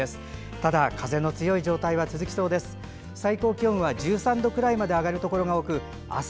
ただ、風の強い状態は続きそうです。